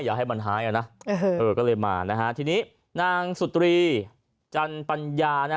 อย่าให้มันหายอ่ะนะก็เลยมานะฮะทีนี้นางสุตรีจันปัญญานะ